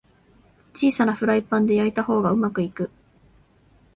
小さなフライパンで焼いた方がうまくいく